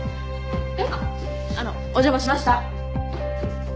あっあのお邪魔しました。